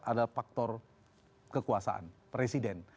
ada faktor kekuasaan presiden